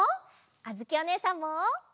あづきおねえさんも！